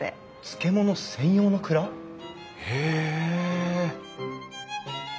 漬物専用の蔵！？へえ！